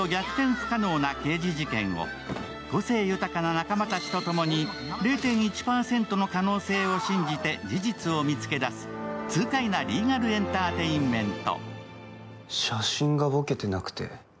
不可能な刑事事件を個性豊かな仲間たちと共に、０．１％の可能性を信じて事実を見つけ出す痛快なリーガル・エンターテインメント。